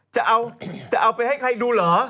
จะเอาไปให้ใครดูเหรอ